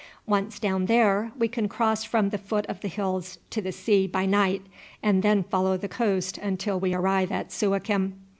Once down there we can cross from the foot of the hills to the sea by night, and then follow the coast until we arrive at Suakim."